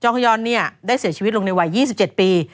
องค์ฮอยอลนี่ได้เสียชีวิตลงในวัย๒๗ปี